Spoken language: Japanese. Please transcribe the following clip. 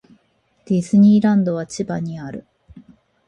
ディズニーランドは千葉にある